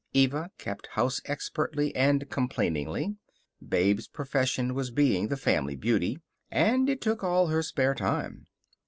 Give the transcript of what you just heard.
Eva kept house expertly and complainingly. Babe's profession was being the family beauty, and it took all her spare time.